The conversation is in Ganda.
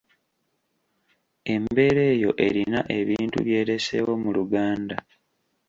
Embeera eyo erina ebintu by’ereseewo mu Luganda